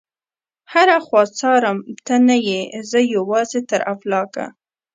هره خوا څارم ته نه يې، زه یوازي تر افلاکه